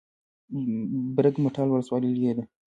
برګ مټال ولسوالۍ لیرې ده؟